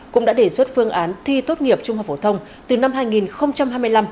cũng đã đề xuất phương án thi tốt nghiệp trung học phổ thông từ năm hai nghìn hai mươi năm